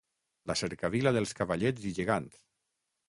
La cercavila dels Cavallets i Gegants.